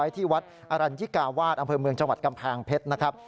ที่วัดอรัญญิกาวาสอำเภอเมืองจังหวัดกำแพงเพชรนะครับ